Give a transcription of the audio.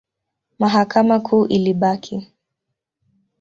Mahakama Kuu ilibaki.